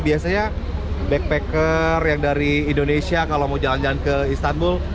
biasanya backpacker yang dari indonesia kalau mau jalan jalan ke istanbul